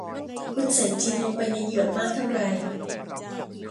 คุณใส่จินลงไปในเหยือกมากเท่าไร